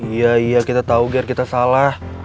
iya iya kita tau ger kita salah